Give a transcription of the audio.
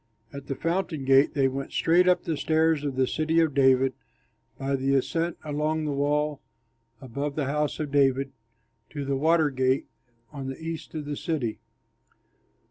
At the Fountain Gate they went straight up the stairs of the City of David by the ascent along the wall above the House of David to the Water Gate on the east of the city.